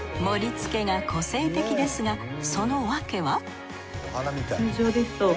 盛り付けが個性的ですがその訳は？